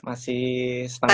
masih setengah jam